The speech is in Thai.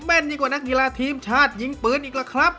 นยิ่งกว่านักกีฬาทีมชาติยิงปืนอีกล่ะครับ